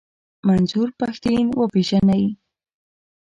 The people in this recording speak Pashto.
منظور پښتين و پېژنئ.